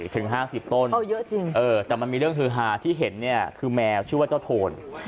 ถึง๕๐ต้นแต่มันมีเรื่องฮือฮาที่เห็นเนี่ยคือแมวชื่อว่าเจ้าโทน